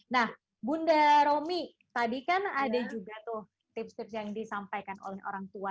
nah bunda romi tadi kan ada juga tuh tips tips yang disampaikan oleh orang tua